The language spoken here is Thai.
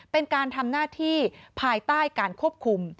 เป็นการทำหน้าที่ภายใต้การควบคุม